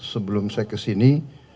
sebelum saya kesini